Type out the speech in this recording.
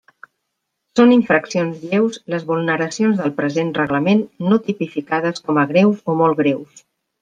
Són infraccions lleus les vulneracions del present reglament no tipificades com a greus o molt greus.